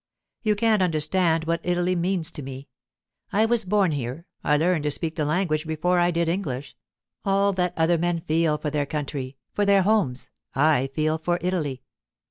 You can't understand what Italy means to me. I was born here; I learned to speak the language before I did English; all that other men feel for their country, for their homes, I feel for Italy.